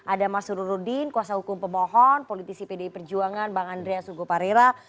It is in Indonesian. ada mas hurudin kuasa hukum pemohon politisi pdi perjuangan bang andreas urgo parera